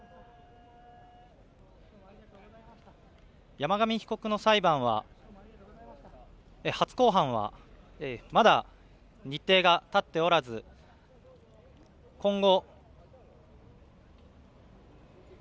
山上被告の裁判は初公判はまだ日程が立っておらず今後。